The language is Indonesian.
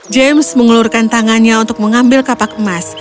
james mengelurkan tangannya untuk mengambil kapak emas